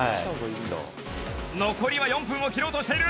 残りは４分を切ろうとしている！